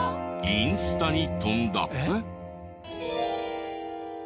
インスタに飛んだ。